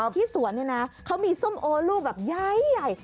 ที่สวนนี่นะเขามีส้มโอลูกแบบใหญ่